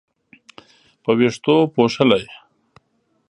په وېښتو پوښلې